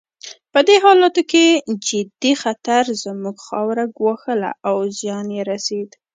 په دې حالاتو کې جدي خطر زموږ خاوره ګواښله او زیان یې رسېد.